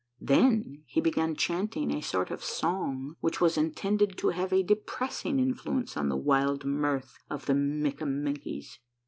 Then he began chanting a sort of song which was intended to have a depressing influence on the wild mirth of the Mikkamenkies.